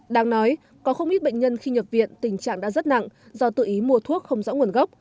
đáng nói có không ít bệnh nhân khi nhập viện tình trạng đã rất nặng do tự ý mua thuốc không rõ nguồn gốc